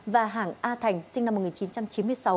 và hàng a thành sinh năm một nghìn chín trăm chín mươi sáu